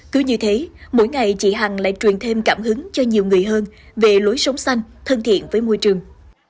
cứ như thế mỗi ngày chị hằng lại truyền thêm cảm hứng cho nhiều người hơn về lối sống xanh thân thiện với môi trường